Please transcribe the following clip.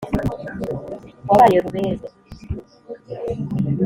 Wabaye Rubebe